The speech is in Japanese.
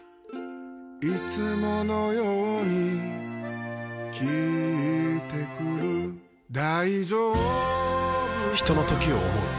いつものように聞いてくる大丈夫か嗚呼ひとのときを、想う。